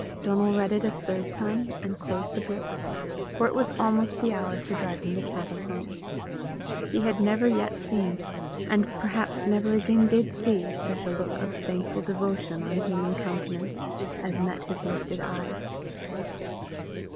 Donal read it a third time, and closed the book, for it was almost the hour for driving the cattle home. He had never yet seen, and perhaps never again did see, such a look of thankful devotion on human countenance as met his lifted eyes.